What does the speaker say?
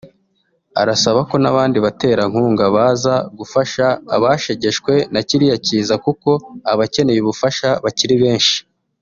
Arasaba ko n’abandi baterankunga baza gufasha abashegeshwe na kiriya kiza kuko abakeneye ubufasha bakiri benshi